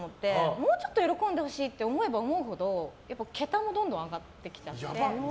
もうちょっと喜んでほしいって思えば思うほどやっぱ桁もどんどん上がってきちゃって。